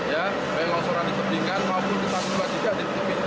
ya baik longsoran di kepingkan maupun di tanjua juga di kepingin